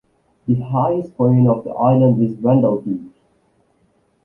The highest point of the island is Wandel Peak.